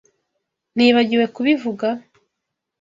Nibagiwe kubivuga?